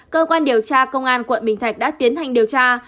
cơ quan điều tra công an quận bình thạnh đã tiến hành điều tra